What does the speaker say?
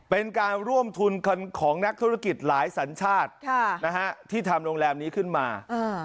เป็นการร่วมทุนของนักธุรกิจหลายสัญชาติที่ทำโรงแรมนี้ขึ้นมา